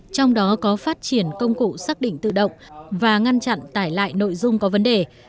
trong đó có phát triển công cụ xác định tự động và ngăn chặn tải lại nội dung có vấn đề